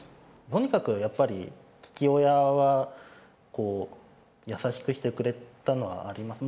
とにかくやっぱり父親はこう優しくしてくれたのはあります。